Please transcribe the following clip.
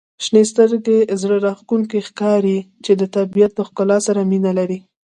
• شنې سترګي زړه راښکونکي ښکاري چې د طبیعت د ښکلا سره مینه لري.